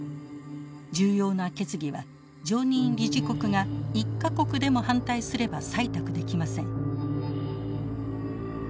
重要な決議は常任理事国が１か国でも反対すれば採択できません。